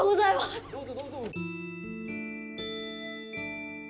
どうぞどうぞ。